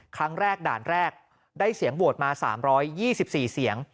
ด่านแรกได้เสียงโหวตมา๓๒๔เสียง